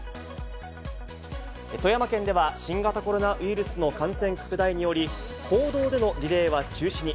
富山県では、新型コロナウイルスの感染拡大により、公道でのリレーは中止に。